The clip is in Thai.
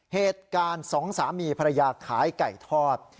เหตุการณ์สองสามีภรรยาขายไก่ทอด